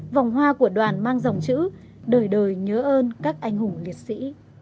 vòng hoa của đoàn mang dòng chữ đời đời nhớ ơn các anh hùng liệt sĩ